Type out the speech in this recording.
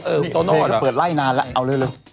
เฮ้ยก็เปิดไล่นานแล้วเอาเลย